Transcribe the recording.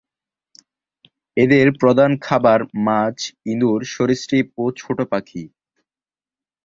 এদের প্রধান খাবার মাছ, ইঁদুর, সরীসৃপ ও ছোট পাখি।